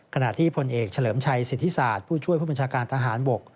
ขณะที่พลเอกเฉลิมชัยสิทธิศาสตร์ผู้ช่วยผู้บัญชาการทหารบก